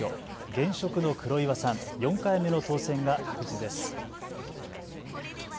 現職の黒岩さん、４回目の当選が確実です。